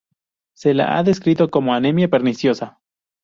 Se la ha descrito como anemia perniciosa.